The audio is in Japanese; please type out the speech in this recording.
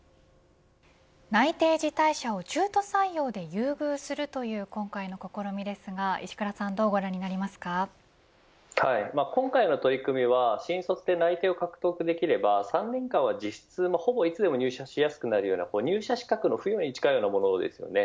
内定辞退者を中途採用で優遇するという今回の試みですが今回の取り組みは新卒で内定を獲得できれば３年間は実質、ほぼいつでも入社しやすくなるような入社資格に近いです。